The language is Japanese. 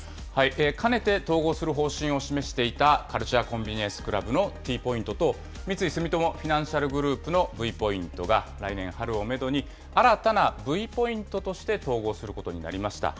かねて統合する方針を示していたカルチュア・コンビニエンス・クラブのＴポイントと、三井住友フィナンシャルグループのＶポイントが来年春をメドに、新たなＶポイントとして統合することになりました。